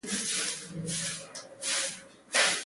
ایران ته دوه سیاسي هیاتونه واستوي.